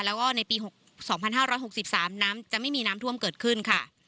แล้วก็ในปี๒๕๖๓น้ำจะไม่มีน้ำท่วมเกิดขึ้นค่ะ